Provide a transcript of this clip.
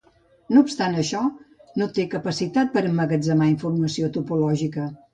No obstant això no té capacitat per emmagatzemar informació topològica.